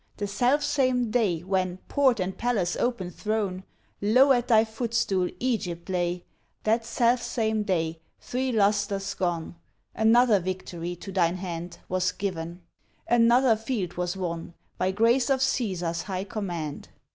The selfsame day When, port and palace open thrown, Low at thy footstool Egypt lay, That selfsame day, three lustres gone, Another victory to thine hand Was given; another field was won By grace of Caesar's high command.